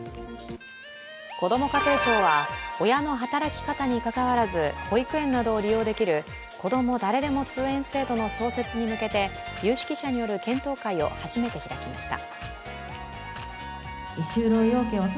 こども家庭庁は親の働き方にかかわらず保育園などを利用できるこども誰でも通園制度の創設に向けて有識者による検討会を初めて開きました。